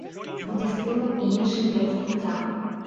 Будзе стымул і іншым для развіцця.